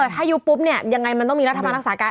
ถ้ายุบปุ๊บเนี่ยมันต้องมีรักษาการ